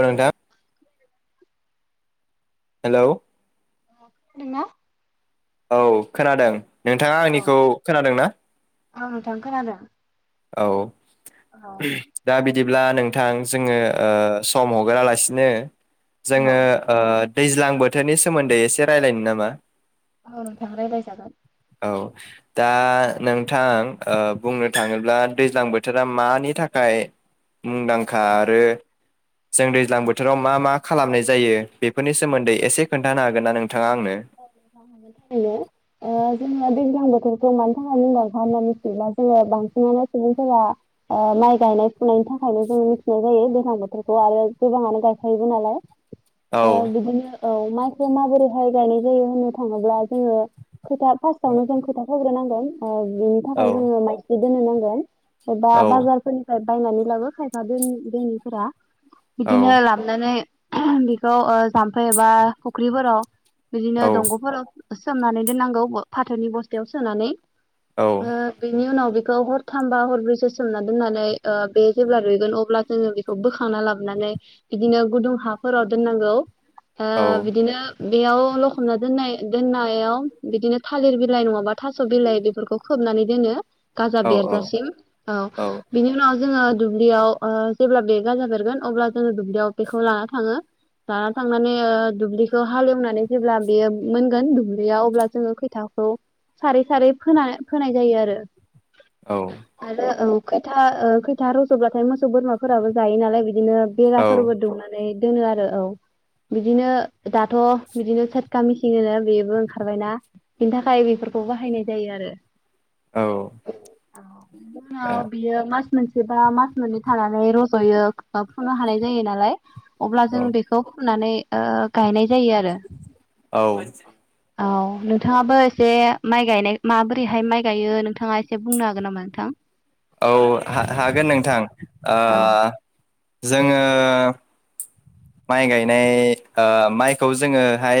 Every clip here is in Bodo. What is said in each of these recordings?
जों दा। हेलौ। अ खोनादोंना। औ खोनादों। नोंथाङा आंनिखौ खोनादों ना? ओ नोंथां खोनादों। औ औ दा बि बिदिब्ला नोंथां जोङो ओ सम हगोरालासिनो औ जोङो ओ दैज्लां बोथोरनि सोमोन्दै एसे रायलायनो नामा। औ नोंथां रायलायजागोन। औ। दा नोंथां ओ बुंनो थाङोब्ला दैज्लां बोथोरा मानि थाखाय मुंदांखा थारैनो आरो जों दैज्लां बोथोराव मा मा खालामनाय जायो बेफोरनि सोमोन्दै एसे खोन्थानो हागोन ना नों हेलौ अ। जोङो दैज्लां बोथोरखौ मानि थाखाय मुंदांखा होनना मिथियोब्ला जोङो बांसिनानो सुबुंफोरा ओ माइ गायनाय फुनायनि थाखायनो जों मिथिनाय जायो दैज्लां बोथोरखौ आरो गोबाङानो गायखायोबो नालाय। औ ओ बिदिनो। औ माइखौ माबोरैहाय गायनाय जायो होननो थाङोब्ला जोङो खोथा फासआवनो जों खोथा। होग्रोनांगोन। ओ बिनि औ थाखाय जोङो माइ बिदिनो नांगोन। बा औ बाजारफोरनिफ्राय बायनानै लाबो खायफा दोनि दोनिफोरा। औ बिदिनो लाबोनानै। बेखौ ओ जाम्फै एबा फुख्रिफोराव औ बिदिनो दंग'फोराव। सोमनानै दोननांगौ ब फाथोनि बस्थायाव सोनानै। औ ओ बिनि उनाव। बेखौ हरथामबा हरब्रैसो सोमना दोननानै ओ बे जेब्ला रुइगोन अब्ला जोङो बेखौ बोखांना लाबोनानै बिदिनो गुदुं हाफोराव दोननांगौ। आ औ बिदिनो बेयाव लखबना दोननाय दोननायाव बिदिनो थालिर बिलाइ नङाबा थास' बिलाइ बेफोरखौ खोबनानै दोनो गाजा औ औ बेरजासिम औ बिनि उनाव जोङो दुब्लियाव ओ जेब्ला बे गाजा बेरगोन अब्ला जोङो दुब्लियाव बेखौ लाना थाङो लाना थांनानै ओ दुब्लिखौ हालेवनानै जेब्ला बेयो मोनगोन दुब्लियाव अब्ला जोङो खैथाखौ सारै सारै फोना फोनाय जायो आरो औ आरो औ खैथा ओ खैथा रज'ब्लाथाय मोसौ बोरमाफोराबो जायो नालाय बि दिनो औ बेराफोरबो दुमनानै दोनो आरो औ बिदिनो दाथ' गामिसिंनो बेबो ओंखारबायना बिनि थाखाय बेफोरखौ बाहायनाय जायो आरो औ औ बिनि औ उनाव बियो माज मोनसेबा मास मोननै थानानै रज'यो बा फुनो हानाय जायो नालाय अब्ला जों बेखौ फुनानै आ गायनाय जायो आरो औ औ नोंथाङाबो एसे माइ गायनाय माबोरैहाय माइ गायो नोंथाङा एसे बुंनो हागोन नामा नोंथां? औ हा हागोन नोंथां आ औ जोङो माइ गायनाय आ माइखौ जोङोहाय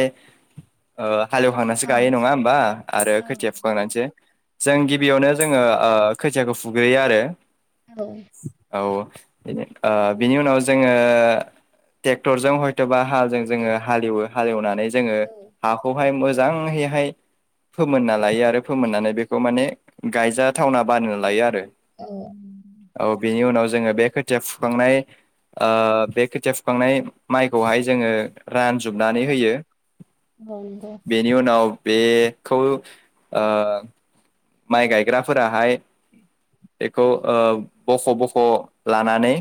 ओ हालेवखांनानैसो गायो नङा होमबा आरो खोथिया फुखांनानैसो जों गिबियावनो जोङो ओ खोथियाखौ फुग्रोयो आरो औ बिन बिनि उनाव जोङो टेक्टरजों हयथ'बा हाजों जोङो हालेवो हालेवनानै जोङो हाखौहाय मोज जांहैहाय फोमोनना लायो आरो फोमोननानै बेखौ माने गायजाथावना बानायना लायो आरो औ बेनि उनाव जोंङो बे खोथिया फुखांनाय आ बे खोथिया फुखांनाय माइखौहाय जोङो रानजोबनानै होयो औ नंगौ बेनि उनाव बे खौ ओ माइ गायग्राफोराहाय बेखौ ओ बख' बख' लानानै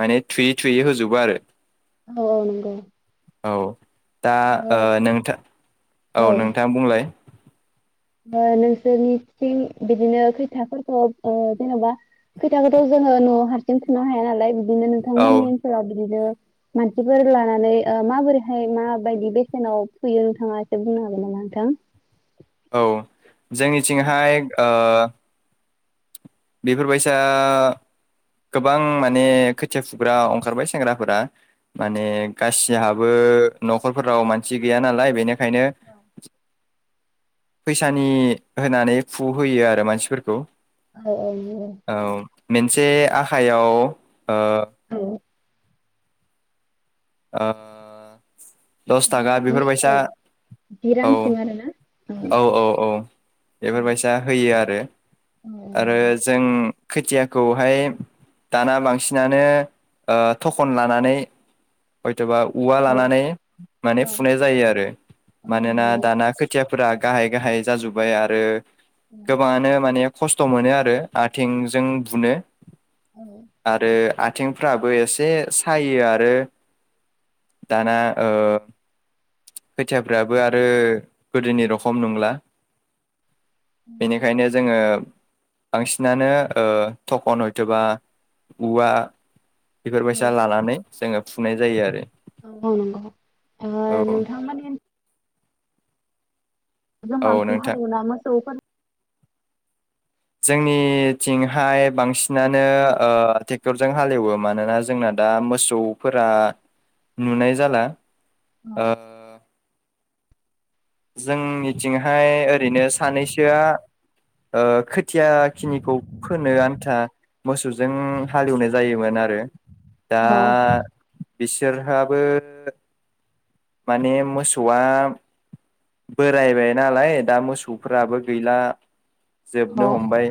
माने थुयै थुयै होजोबो आरो औ औ नंगौ औ दा ओ नोंथा औ नोंथां बुंलाय ओ नोंसोरनिथिं बिदिनो खैथाफोरखौ ओ जेन'बा खैथाखौथ' जोङो न'आव हारसिं फुनो हाया नालाय बिदिनो औ नोंथांमोननि ओनसोलाव बिदिनो मानसिफोर लानानै ओ माबोरैहाय माबायदि बेसेनाव फुयो नोंथाङा एसे बुंनो हागोन नामा नोंथां? औ जोंनिथिंहाय ओ ओ बेफोरबायसा गोबां माने खोथिया फुग्रा अंखारबाय सेंग्राफोरा माने गासिहाबो न'खरफोराव मानसि गैया नालाय बेनो खायनो फैसानि होनानै फु होयो आरो मानसिफोरखौ औ मोनसे आ आखायाव ओ ओ दस थाखा बेफोरबायसा जि औ रांसिम आरोना औ औ औ बेफोरबायसा होयो आरो आरो जों खोथियाखौहाय दाना बांसिनानो थखन लानानै सोरबा औवा लानानै माने फुनाय जायो आरो मानोना दाना खोथिया फोर गाहाय गाहाय जाजोबाय आरो गोबांङानो माने खस्थ' मोनो आरो आथिंजों बुनो आरो आ आथिंफ्राबो एसे सायो आरो दाना ओ खोथियाफ्राबो आरो गोदोनि रखम नंला बेनिखायनो जोङो बांसिनानो थखन हयथबा औवा बेफोरबायसा लानानै जोङो फुनाय जायो आरो औ नंगौ ओ औ नोंथां मोननि औ बांसिन नोंथां हालोवोना मोसौफोर जोंनिथिंहाय बांसिनानो ओ टेक्टरजों हालेवो मानोना जोंना दा मोसौफोरा ओ नुनाय जाला आ जोंनिथिंहाय ओरैनो सानैसोआ ओ खोथिया खिनिखौ फोनो आन्था मोसौजों हालेवनाय जायोमोन आरो । दा औ बिसोरहाबो माने मोसौआ बोरायबाय नालाय दा मोसौफोराबो गैला औ जोबनो हमबाय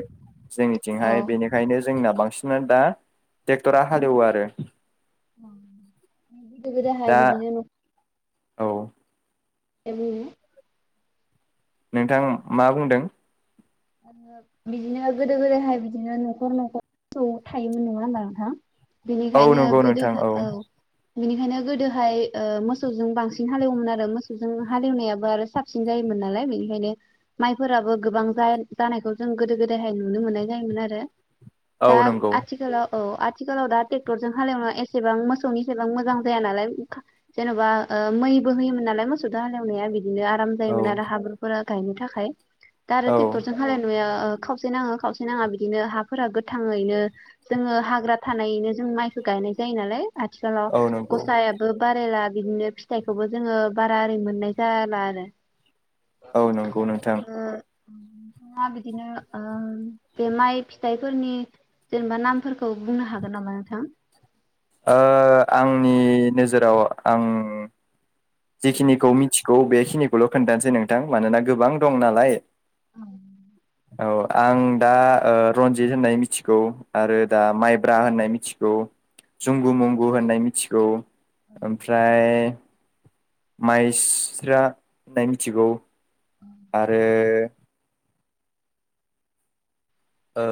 औ जोंनिथिंहाय बेनिखायनो जोंना बांसिन नो दा टेक्टरा हालेवो आरो । गोदो गोदोहाय दा बिदिनो न' औ [unintelligible] नोंथां मा बुंदों? बिदिनो गोदो गोदायहाय बिदिनो न'खर न'खर मोसौ थायोमोन नङा होनबा नोंथां । औ बेनिखायनो नंगौ नोंथां गोदोहा औ बेनिखायनो गोदोहाय ओ मोसौजों बांसिन हालेवोमोन आरो मोसौजों हालेवनायाबो आरो साबसिन जायोमोन नालाय बेनिखायनो माइफोराबो गोबां जा जानायखौ जों गोदो गोदायहाय नुनो मोननाय जायोमोन आरो । दा औ नंगौ आथिखालाव औ आथिखालाव दा टेक्टरजों हालेवनाय एसेबां मोसौनि सेबां मोजां जाया नालाय जेन'बा ओ मैबो होयोमोन नालाय मोसौदो हालेवनाया बि दिनो आराम औ जायोमोन आरो हाब्रुफोरा गायनो थाखाय दा आरो औ टेक टरजों हालेवनाय नुयो ओ खावसे नाङो खावसे नाङा बिदिनो हाफोरा गोथाङैनो जोङो हाग्रा थानायनो जों माइखो गायनाय जायो नालाय आथिखालाव औ नंगौ गसायाबो बारायला बिदिनो फिथाइखोबो जोङो बारा ओरै मोननाय जाला आरो । औ नंगौ नोंथां नोंथाङा बिदिनो ओ बे माइ फिथाइफोरनि जेनेबा नामफोरखौ बुंनो हागोन नामा नोंथां? ओ आंनि नोजोराव आं जिखिनिखौ मिथिगौ बेखिनिखौल' खोन्थानोसै नोंथां मानोना गोबां दं नालाय औ आं दा ओ रन्जित होननाय मिथिगौ आरो दा माइब्रा होननाय मिथिगौ जुंगु मुंगु होननाय मि थिगौ ओमफ्राय माइस्रा होननाय मिथिगौ आरो ओ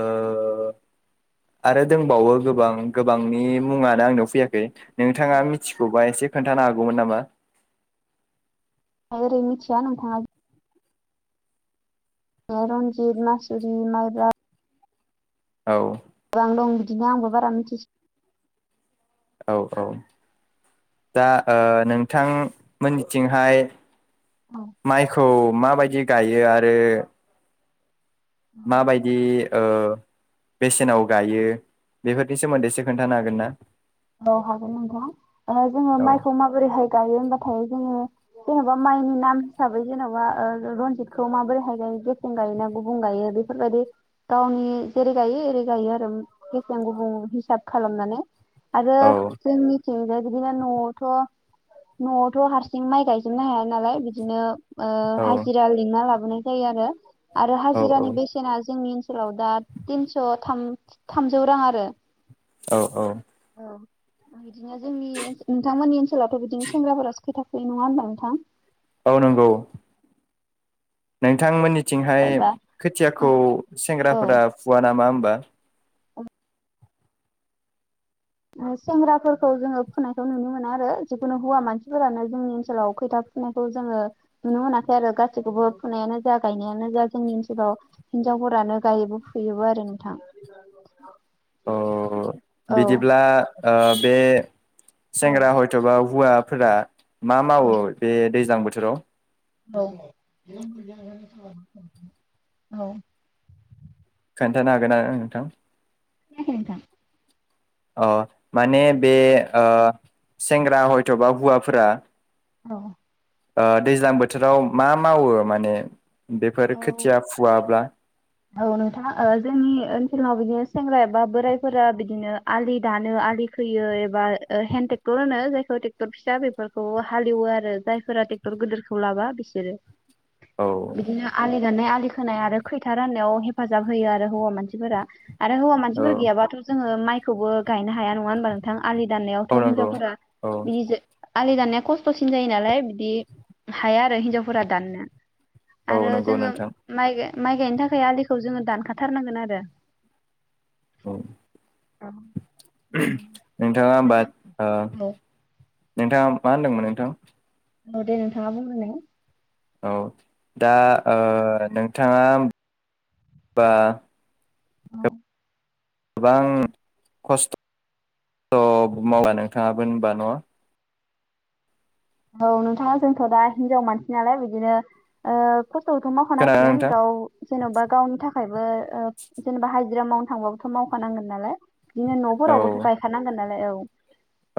आरो दंबावो गोबां गोबांनि मुङानो आंनाव फैयाखै नोंथाङा मिथिगौबा एसे खोन्थानो हागौमोन नामा? ओरै मिथिया नोंथांआ रन्जित, मासुरि, माइब्रा औ गोबां दं बिदिनो आंबो बारा मिथि औ औ दा ओ नोंथांमोननिथिंहाय औ माइखौ माबायदि गायो आरो माबायदि ओ बेसेनाव गायो बेफोरनि सोमोन्दैसो खोन्थानो हागोन ना? औ हागोन नोंथां जोङो औ माइखौ माबोरैहाय गायो होमबा थाय जोङो जेन'बा माइनि नाम हिसाबै ओ जेन'बा रनजितखौ माबोरैहाय गायो गेसें गायोना गुबुं गायो बेफोरबायदि गावनि जेरै गायो एरै गायो आरो गेसें गुबुं हिसाब खालामनानै आरो औ जोंनि बिदिनो न'आवथ' न'आवथ' हारसिं माइ गायजोबनो हाया नालाय बिदिनो ओ औ हाजिरा लिंना लाबो लेंनाय जायो आरो आरो औ हाजिरानि बेसेना जोंनि ओनसो औ दा थिनस' थाम थामजौ रां आरो औ औ अ बिदिनो जोंनि नोंथांमोननि ओनसोलावथ' बिदिनो सेंग्राफोरा खोथिया फुयो नङा होनबा नोंथां? औ नंगौ नोंथांमोननि थिंहाय एबा औ खोथियाखौ सेंग्राफोरा फुवा नामा हो बा सेंग्राफोरखौ जोङो फुनायखौ नुनो मोना आरो जिखुनु हौवा मानसिफोरानो जोंनि ओनसोलाव खैथा फुनायखौ जोङो नुनो मोनाखै आरो गासैखौबो फुनायानो जा गायनायानो जा जोंनि ओनसोलाव हिनजावफोरानो गायोबो फुयोबो आरो नोंथां अ औ बिदिब्ला ओह बे सेंग्रा हयथ'बा हुवा फोरा मा मावो दे दैज्लां बोथ बोथोराव औ औ खोन्थानो हागोनना ओह नोंथां? खोनायाखै नोंथां? अ माने बे ओ सेंग्रा हयथ'बा हुवाफोरा औ ओ दैज्लां बोथोराव मा मावो माने बेफोर खोथिया फुवाब्ला [inaudible] जोंनाव बिदिनो सेंग्रा एबा बोराइफोरा बिदिनो आलि दानो आलि खोयो एबा हेन्दड ट्रेक्टर होनो जायखौ ट्रेक्टर फिसा बेफोरखौ हालेवो आरो जायफोरा ट्रेक्टर गिदिरखौ लाबा बिसोरो औ जाननाय आलि खोनाय आरो खैथा राननायाव हेफाजाब होयो आरो हौवा मानसिफोरा आरो हौवा औ मानसिफोर गैयाबाथ' जोङो माइ खौबो गायनो हाया नङा होनबा नोंथां आलि दाननायावथ' औ नंगौ हिनजावफोरा औ बिदि आलि दाननाया खस्थ'सिन जायो नालाय बि हाया आरो हिनजावफोरा दाननो औ आरो नंगौ जोंङो नोंथां माइ गा माइ गायनो थाखाय आलिखौ जोंङो दानखाथारनांगोन आरो। औ [inaudible] नोथाङा होनबा ओ नोंथाङा मा होनदोंमोन नोंथां औ दे नोंथाङा बुंग्रोदो औ दा ओ नोंथाङा बा औ गोबां खस्थ‌ मावना नोंथाङाबो होनबा न औ नोंथाङा जोंथ दा हिनजाव मानसि नालाय बिदिनो ओ खस्थखौ थ खोनादोंना मावखानांसिगोन नोंथां गाव जेनबा गावनि था खायबो जेनेबा हाइजिरा मावनो थांबाबोथ मावखानांगोन नालाय बिदिनो न औ फोरावबोथ गायखानांगोन ना औ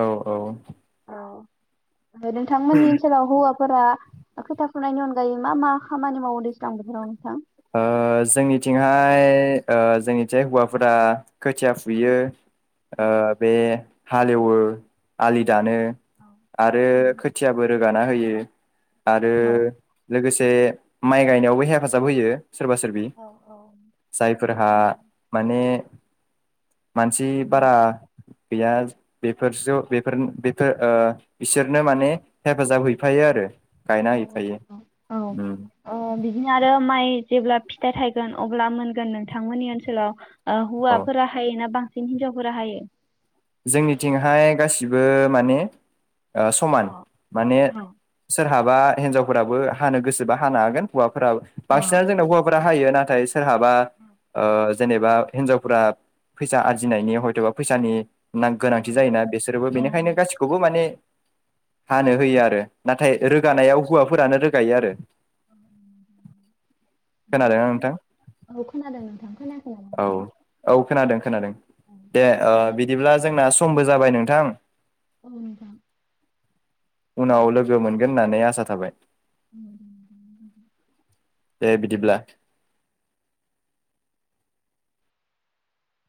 औ औ औ नोंथांमोननि ओनसोलाव हौवा फोरा खोथिया फुनायनि अनगायै मा मा खामानि मावो दैज्लां बोथोराव नोंथां? ओ जोंनिथिंहाय ओ जोंनिथिहाय हौवाफोरा खोथिया फुयो ओ बे हालेवो आलि दानो आरो खोथियाबो रो गाना होयो। आरो लोगो से माइ गायनायावबो हेफाजाब होयो। सोरबा सोरबि जायफोरहा माने मानसि बारा गैया बेफोरसो-बेफोर-बेफोर ओ बिसोरनो माने हेफाजाब हैफायो आरो। गायना औ हैफायो औ उम ओ बिदिनो आरो माइ जेब्ला फिथाइ थायगोन अब्ला मोनगोन नोंथांमोननि ओनसोलाव औ हौवाफोरा हाय ना बां सिन हिनजावफोरा हायो। जोंनिथिंहाय गासै बिबो माने ओ समान माने सोरहाबा बा हिनजावफोराबो हानो गोसोबा हानो हागोन हौवा फ्रा बांसिनानो जोंना हौवाफोरा हायो। नाथाय सोर हाबा ओ जेनेबा हिनजावफोरा फैसा आरजिनायनि हयथ'बा फैसानि गोनांथि जायोना बिसोरबो बेनिखायनो गासिखौबो माने हानो होयो आरो नाथाय रोगानायाव हौवा फोरानो रोगायो आरो खोनादोंना नोंथां औ खोनादों नोंथां खोनाखै नामा औ नोंथाङा? औ खोनादों खोनादों दे ओ बि ब्ला जोंना समबो जाबाय नोंथां औ नोंथां उनाव लोगो मोनगोन होननानै आस साथाबाय [unintelligible] दे बिदिब्ला